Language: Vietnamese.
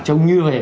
trông như là